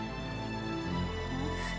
semua yang kamu kasih tau